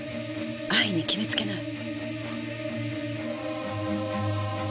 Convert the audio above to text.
安易に決めつけない。